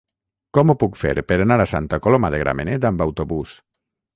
Com ho puc fer per anar a Santa Coloma de Gramenet amb autobús?